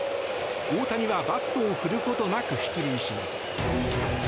大谷はバットを振ることなく出塁します。